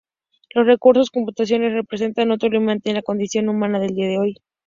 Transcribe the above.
Los recursos computacionales representan otro límite en la cognición humana del día de hoy.